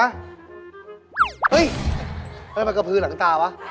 เฮ้ไม่รู้มั้ยกระพื้นหลังตาวะ